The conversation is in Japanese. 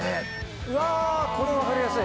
うわこれ分かりやすい。